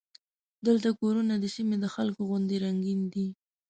دلته کورونه د سیمې د خلکو غوندې رنګین دي.